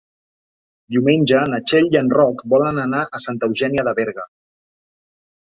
Diumenge na Txell i en Roc volen anar a Santa Eugènia de Berga.